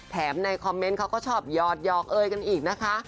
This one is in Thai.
ในคอมเมนต์เขาก็ชอบหยอดหยอกเอยกันอีกนะคะ